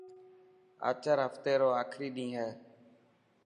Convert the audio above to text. آچر هفتي رو آخري ڏينهن هي.